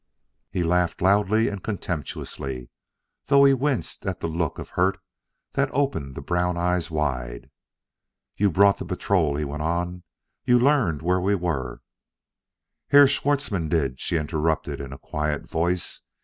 He laughed loudly and contemptuously, though he winced at the look of hurt that opened the brown eyes wide. "You brought the patrol," he went on; "you learned where we were " "Herr Schwartzmann did," she interrupted in a quiet voice.